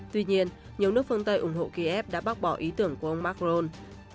tuy nhiên nhiều nước phương tây ủng hộ kiev đã bác bỏ ý tưởng của ông macron